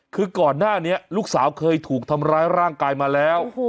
คือก่อนหน้านี้ลูกสาวเคยถูกทำร้ายร่างกายมาแล้ว